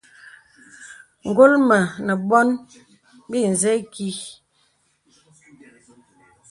Ngól mə nə bônə bì nzə īkí.